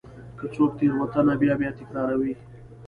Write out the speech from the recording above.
که څوک تېروتنه بیا بیا تکراروي.